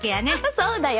そうだよ。